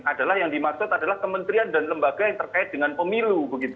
adalah yang dimaksud adalah kementerian dan lembaga yang terkait dengan pemilu